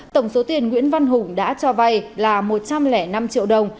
tổng số tiền nguyễn văn hùng đã cho vay là một trăm linh năm triệu đồng